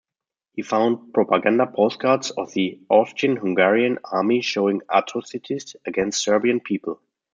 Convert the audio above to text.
He found propaganda postcards of the Austrian-Hungarian Army showing atrocities against Serbian people.